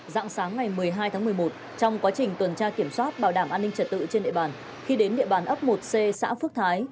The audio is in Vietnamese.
dạng sáng ngày một mươi hai tháng một mươi một trong quá trình tuần tra kiểm soát bảo đảm an ninh trật tự trên địa bàn khi đến địa bàn ấp một c xã phước thái